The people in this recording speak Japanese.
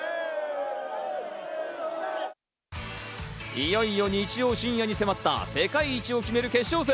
いよいよ日曜深夜に迫った世界一を決める決勝戦。